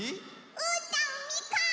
うーたんみかん！